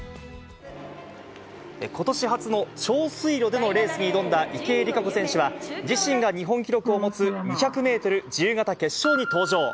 ことし初の長水路でのレースに挑んだ池江璃花子選手は、自身が日本記録を持つ２００メートル自由形決勝に登場。